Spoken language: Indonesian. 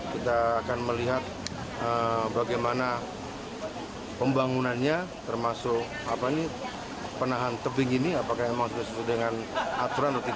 kita akan melihat bagaimana pembangunannya termasuk penahan tebing ini apakah memang sudah sesuai dengan aturan atau tidak